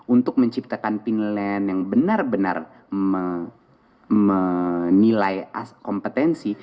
untuk menciptakan penilaian yang benar benar menilai kompetensi